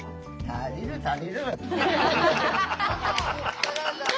足りる足りる。